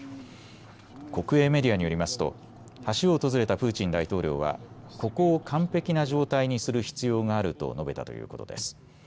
国営メディアによりますと橋を訪れたプーチン大統領はここを完璧な状態にする必要があると述べたということです。